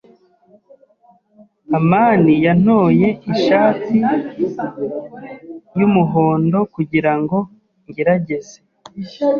amani yantoye ishati yumuhondo kugirango ngerageze.